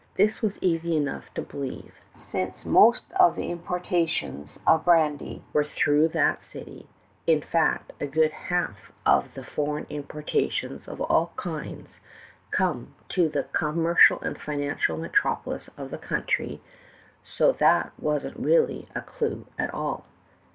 This was easy enough to believe since most of the importations of brandy were through that cit}^ ; in fact, a good half of the foreign importations of all kinds come to the com mercial and financial metropolis of the country, so that this wasn't really a clue, after all.